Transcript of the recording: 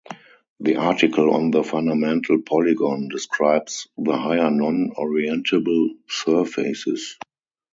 The article on the fundamental polygon describes the higher non-orientable surfaces.